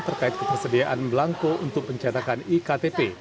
terkait ketersediaan belangko untuk pencetakan iktp